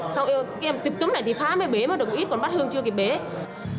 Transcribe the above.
sau kìa tìm tấm này thì phá mới bế mà được ít còn bắt hương chưa kịp bế